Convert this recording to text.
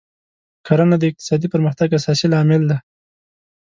کرنه د اقتصادي پرمختګ اساسي لامل دی.